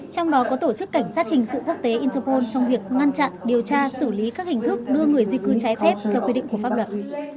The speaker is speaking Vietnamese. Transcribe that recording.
trong đó có tổ chức cảnh sát hình sự quốc tế interpol trong việc ngăn chặn điều tra xử lý các hình thức đưa người di cư trái phép theo quy định của pháp luật